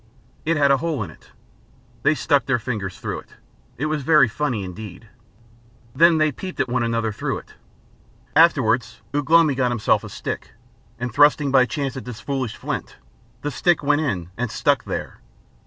It had a hole in it. They stuck their fingers through it, it was very funny indeed. Then they peeped at one another through it. Afterwards, Ugh lomi got himself a stick, and thrusting by chance at this foolish flint, the stick went in and stuck there.